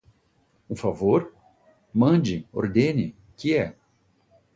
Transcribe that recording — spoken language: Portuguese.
Um favor? Mande, ordene, que é?